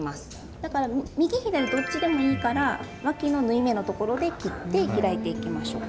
だから右左どっちでもいいからわきの縫い目のところで切って開いていきましょうか。